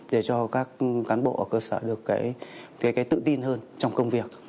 để cho các cán bộ ở cơ sở được tự tin hơn trong công việc